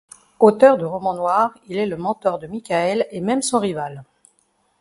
Auteur de romans noir, il est le mentor de Michaël et même son rival.